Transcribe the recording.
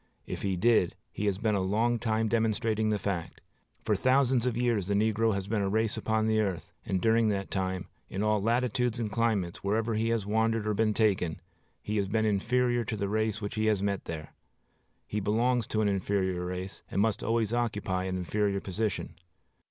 If he did, he has been a long time demonstrating the fact. For thousands of years the negro has been a race upon the earth; and during all that time, in all latitudes and climates, wherever he has wandered or been taken, he has been inferior to the race which he has there met. He belongs to an inferior race, and must always occupy an inferior position.